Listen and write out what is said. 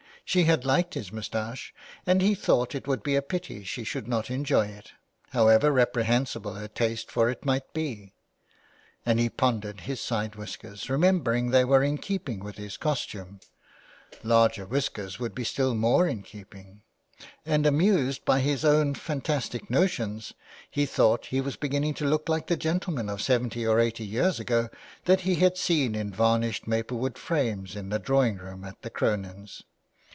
She had liked his moustache, and he thought it would be a pity she should not enjoy it, however reprehensible her taste for it might be. And he pondered his side whiskers, remembering they were in keeping with his costume (larger whiskers would be still more in keeping), and amused by his own fantastic notions, he thought he was beginning to look like the gentleman of seventy or eighty years ago that he had seen in varnished maplewood frames in the drawingroom at the Cronins'.